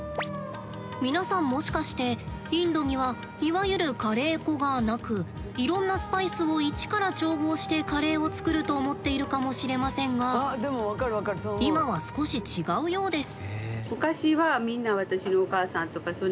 皆さんもしかしてインドにはいわゆるカレー粉がなくいろんなスパイスを一から調合してカレーを作ると思っているかもしれませんが今は少し違うようです。